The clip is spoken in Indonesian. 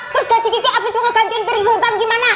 terus gaji kiki abis mau ngegantikan piring sumutan gimana